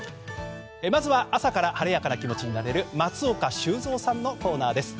まずは朝から晴れやかな気持ちになれる松岡修造さんのコーナーです。